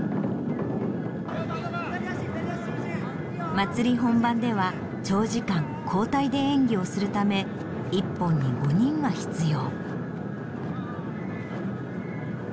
まつり本番では長時間交代で演技をするため１本に５人は必要。